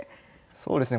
そうですね